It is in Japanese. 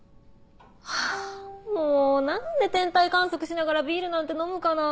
ハァもう何で天体観測しながらビールなんて飲むかなぁ。